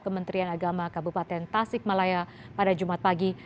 kementerian agama kabupaten tasik malaya pada jumat pagi